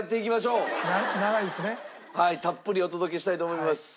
たっぷりお届けしたいと思います。